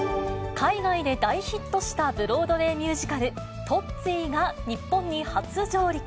海外で大ヒットしたブロードウェイミュージカル、トッツィーが、日本に初上陸。